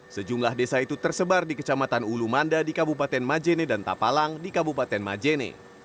sejumlah desa itu tersebar di kecamatan ulumanda di kabupaten majene dan tapalang di kabupaten majene